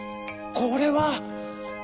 ここれは！」。